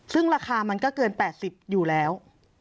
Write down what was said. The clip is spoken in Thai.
ซึ่งราคามันก็เกิน๘๐อยู่แล้ว